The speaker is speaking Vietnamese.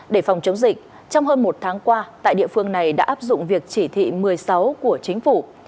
để phòng chống dịch trong hơn một tháng qua tại địa phương này đã áp dụng việc chỉ thị một mươi sáu của chính phủ